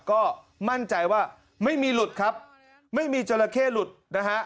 ก็มั่นใจว่าไม่มีหลุดครับไม่มีจราเข้หลุดนะฮะ